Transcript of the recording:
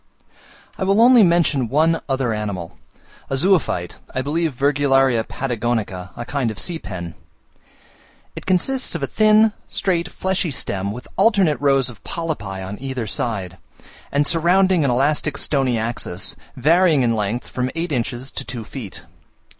I will only mention one other animal, a zoophyte (I believe Virgularia Patagonica), a kind of sea pen. It consists of a thin, straight, fleshy stem, with alternate rows of polypi on each side, and surrounding an elastic stony axis, varying in length from eight inches to two feet.